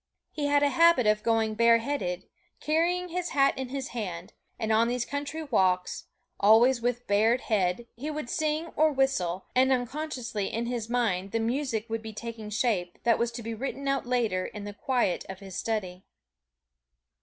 He had a habit of going bareheaded, carrying his hat in his hand; and on these country walks, always with bared head, he would sing or whistle, and unconsciously in his mind the music would be taking shape that was to be written out later in the quiet of his study.